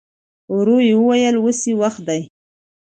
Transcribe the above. ورو يې وويل: اوس يې وخت دی.